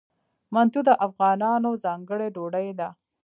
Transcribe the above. منتو د افغانانو ځانګړې ډوډۍ ده.